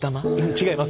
違います